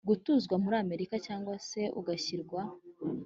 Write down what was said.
gutuzwa muri Amerika Cyangwa se ugashyirwa